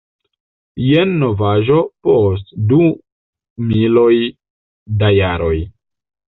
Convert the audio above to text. Jen novaĵo post du miloj da jaroj.